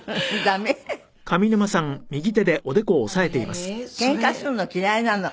あのねケンカするの嫌いなの。